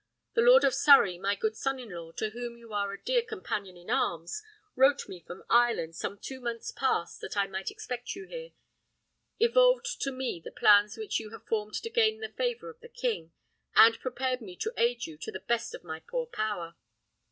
The Lord of Surrey, my good son in law, to whom you are a dear companion in arms, wrote me from Ireland some two months past that I might expect you here; evolved to me the plans which you have formed to gain the favour of the king, and prepared me to aid you to the best of my poor power.